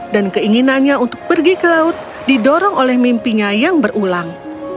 dan keinginannya untuk pergi ke laut didorong oleh mimpinya yang berulang